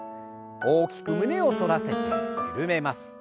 大きく胸を反らせて緩めます。